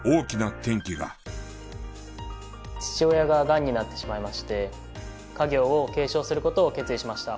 父親ががんになってしまいまして家業を継承する事を決意しました。